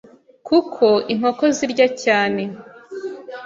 kuko inkoko zirya cyane